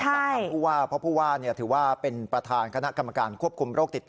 เพราะผู้ว่าถือว่าเป็นประธานคณะกรรมการควบคุมโรคติดต่อ